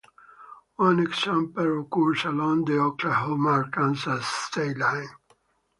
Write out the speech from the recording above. One example occurs along the Oklahoma-Arkansas state line.